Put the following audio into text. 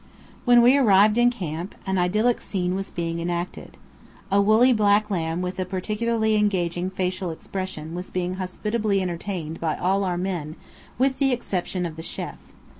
When we arrived in camp, an idyllic scene was being enacted. A woolly black lamb with a particularly engaging facial expression was being hospitably entertained by all our men with the exception of the chêf.